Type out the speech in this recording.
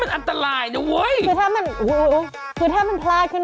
คุณค่ะแล้วทุกคนก็คือ